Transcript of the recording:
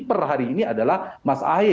perhari ini adalah mas ahy